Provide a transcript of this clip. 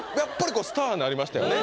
こうスターになりましたよね